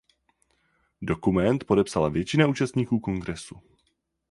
Dokument podepsala většina účastníků kongresu.